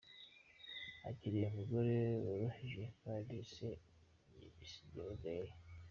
Akeneye umugore woroheje kandi njye si gutyo nteye.